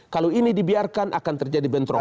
kalau ini dibiarkan akan terjadi bentrokan